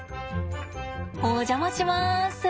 お邪魔します。